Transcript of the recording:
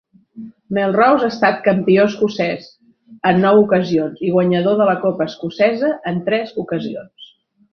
Melrose ha estat campió escocès en nou ocasions i guanyador de la copa escocesa en tres ocasions.